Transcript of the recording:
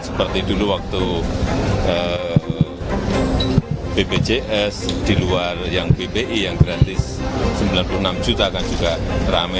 seperti dulu waktu bpjs di luar yang bpi yang gratis sembilan puluh enam juta kan juga rame